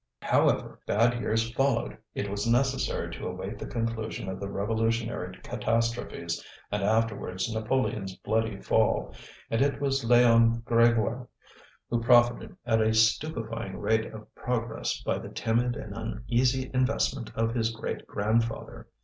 However, bad years followed. It was necessary to await the conclusion of the revolutionary catastrophes, and afterwards Napoleon's bloody fall; and it was Léon Grégoire who profited at a stupefying rate of progress by the timid and uneasy investment of his great grandfather.